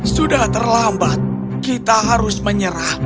sudah terlambat kita harus menyerah